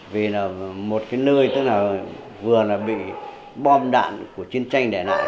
vì là một cái nơi tức là vừa là bị bom đạn của chiến tranh đẻ nạn